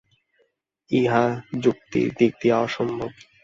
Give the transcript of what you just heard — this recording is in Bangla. ইহা যুক্তির দিক দিয়া অসম্ভব।